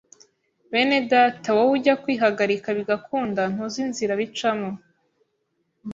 bene data wowe ujya kwihagarika bigakunda ntuzi inzira bicamo